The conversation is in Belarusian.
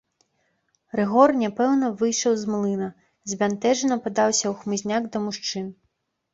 Рыгор няпэўна выйшаў з млына, збянтэжана падаўся ў хмызняк да мужчын.